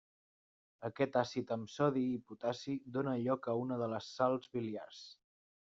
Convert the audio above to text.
Aquest àcid amb sodi i potassi dóna lloc a una de les sals biliars.